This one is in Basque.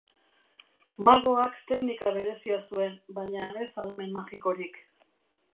Magoak teknika berezia zuen, baina ez ahalmen magikorik.